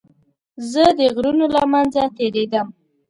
زه د غرونو له منځه تېرېدم.